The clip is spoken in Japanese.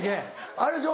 あれでしょ？